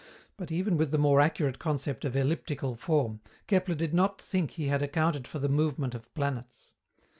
But, even with the more accurate concept of elliptical form, Kepler did not think he had accounted for the movement of planets.